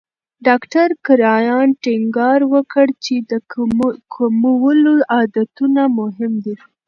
ډاکټر کرایان ټینګار وکړ چې د کولمو عادتونه مهم دي.